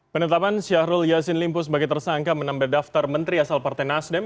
penetapan syahrul yasin limpus bagi tersangka menambah daftar menteri asal partai nasdem